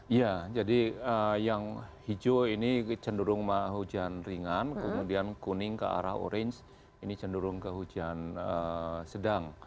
iya jadi yang hijau ini cenderung hujan ringan kemudian kuning ke arah orange ini cenderung ke hujan sedang